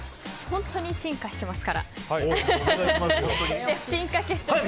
本当に進化しています。